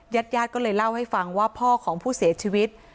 ญาติญาติก็เลยเล่าให้ฟังว่าพ่อของผู้เสียชีวิต